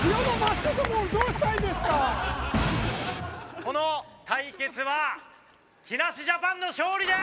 この対決は木梨ジャパンの勝利です！